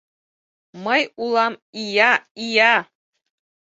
Мый улам ия-ия!